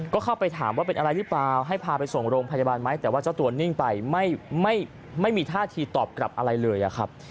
ก็เข้าไปถามว่าเป็นอะไรหรือเปล่าให้พาไปส่งโรงพยาบาลไหมแต่ว่าเจ้าตัวนิ่งไปไม่มีท่าทีตอบกลับอะไรเลยอะครับ